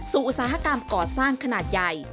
อุตสาหกรรมก่อสร้างขนาดใหญ่